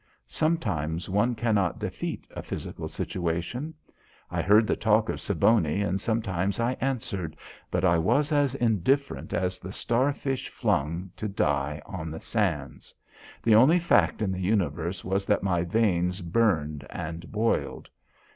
Sometimes one cannot defeat a physical situation. I heard the talk of Siboney and sometimes I answered, but I was as indifferent as the star fish flung to die on the sands. The only fact in the universe was that my veins burned and boiled.